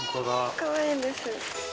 かわいいんです。